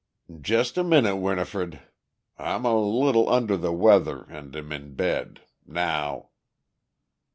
"Just a minute, Winifred. I'm a little under the weather and am in bed. Now."